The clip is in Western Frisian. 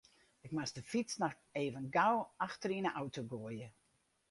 Ik moast de fyts noch even gau achter yn de auto goaie.